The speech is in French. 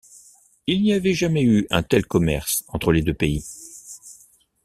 Il n'y avait jamais eu un tel commerce entre les deux pays.